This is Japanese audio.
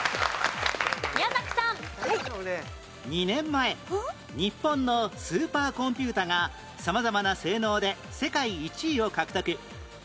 ２年前日本のスーパーコンピュータが様々な性能で世界１位を獲得